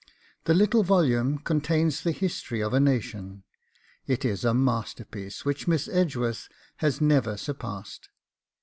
The little volume contains the history of a nation. It is a masterpiece which Miss Edgeworth has never surpassed.